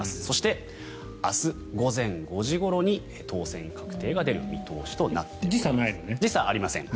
そして明日午前５時ごろに当選確定が出る見込みとなっています。